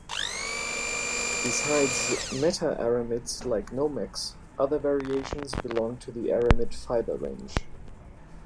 Besides meta-aramids like Nomex, other variations belong to the aramid fiber range.